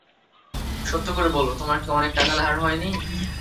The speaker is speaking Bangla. সত্য করে বলো, তোমার কি অনেক টাকা ধার হয় নি।